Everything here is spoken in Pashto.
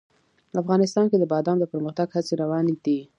افغانستان کې د بادام د پرمختګ هڅې روانې دي.